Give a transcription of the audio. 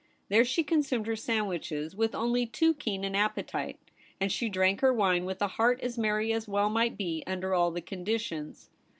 There she consumed her sandwiches with only too keen an appetite ; and she drank her wine with a heart as merry as well might be under all the conditions.